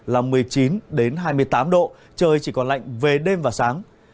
là một mươi chín hai mươi tám độ trời chỉ còn lạnh về đêm và sáng